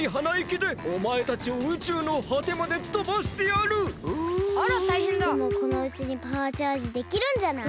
でもこのうちにパワーチャージできるんじゃない？